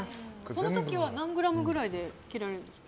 その時は何グラムぐらいで切られるんですか？